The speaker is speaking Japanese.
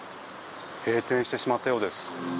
閉店してしまったようです。